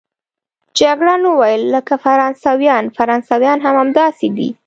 جګړن وویل: لکه فرانسویان، فرانسویان هم همداسې دي.